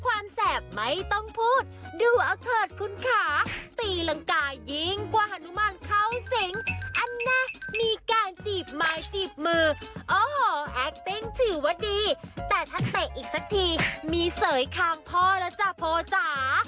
แสบไม่ต้องพูดดูเอาเถิดคุณค่ะตีรังกายิ่งกว่าฮานุมานเข้าสิงอันนะมีการจีบไม้จีบมือโอ้โหแอคติ้งถือว่าดีแต่ถ้าเตะอีกสักทีมีเสยคางพ่อแล้วจ้ะโพจ๋า